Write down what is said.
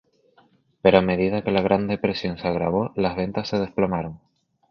Pero a medida que la Gran Depresión se agravó, las ventas se desplomaron.